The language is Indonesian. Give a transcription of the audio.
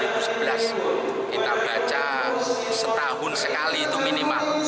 kita baca setahun sekali itu minimal